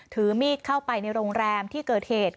ถือมีดเข้าไปในโรงแรมที่เกิดเหตุ